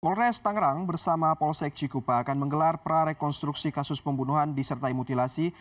polres tangerang bersama polsek cikupa akan menggelar prarekonstruksi kasus pembunuhan disertai mutilasi